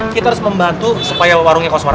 kita harus membantu supaya warungnya kosong